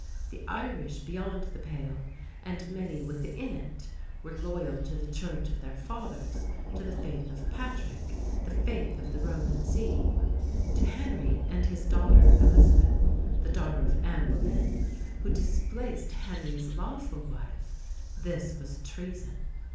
The Irish beyond the Pale, and many within it, were loyal to the Church of their fathers, to the faith of Patrick, the faith of the Roman See. To Henry and his daughter Elizabeth, the daughter of Anne Boleyn, who displaced Henry's lawful wife, this was treason.